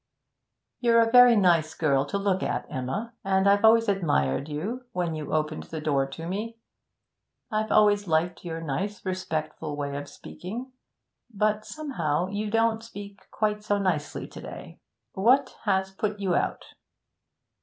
'You're a very nice girl to look at, Emma, and I've always admired you when you opened the door to me. I've always liked your nice, respectful way of speaking, but somehow you don't speak quite so nicely to day. What has put you out?'